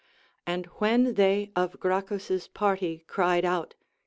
And when they of Gracchus's party cried out.